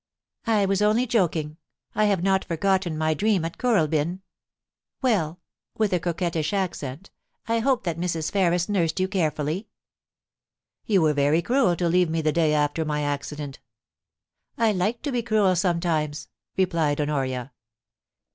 ' I was only joking ; I have not forgotten my dream at MISS LONGLEAT AT THE BUNYAS. 227 Kooralbyn. Well,' with a coquettish accent, * I hope that Mrs. Ferris nursed you carefully.' *You were very cruel to leave me the day after my accident' * I like to be cruel sometimes,' replied Honoria.